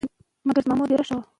امر باید د مشرانو لخوا وي.